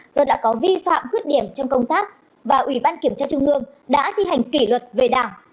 do đã có vi phạm khuyết điểm trong công tác và ủy ban kiểm tra trung ương đã thi hành kỷ luật về đảng